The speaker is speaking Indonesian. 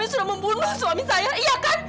sudah membunuh suami saya iya kan